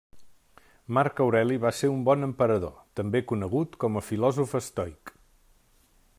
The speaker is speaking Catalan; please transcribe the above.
Marc Aureli va ser un bon emperador, també conegut com a filòsof estoic.